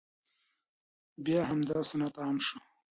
بیا همدا سنت عام شو،